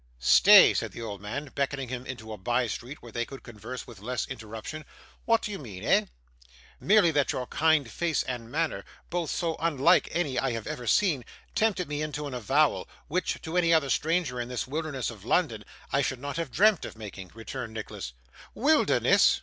'Stay,' said the old man, beckoning him into a bye street, where they could converse with less interruption. 'What d'ye mean, eh?' 'Merely that your kind face and manner both so unlike any I have ever seen tempted me into an avowal, which, to any other stranger in this wilderness of London, I should not have dreamt of making,' returned Nicholas. 'Wilderness!